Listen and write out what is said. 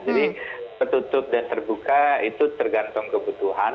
jadi tertutup dan terbuka itu tergantung kebutuhan